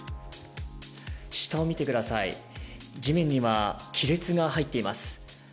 下見てください、地面には亀裂が入っています。